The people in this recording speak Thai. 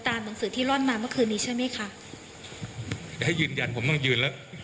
หนังสือที่ร่อนมาเมื่อคืนนี้ใช่ไหมคะเดี๋ยวให้ยืนยันผมต้องยืนแล้ว